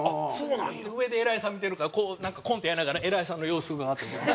で上で偉いさん見てるからこうコントやりながら偉いさんの様子うかがって。